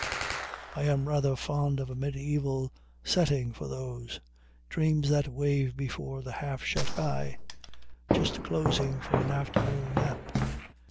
I am rather fond of a mediæval setting for those "Dreams that wave before the half shut eye," just closing for an afternoon nap.